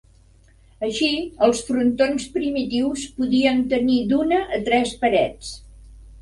Així, els frontons primitius podien tenir d'una a tres parets.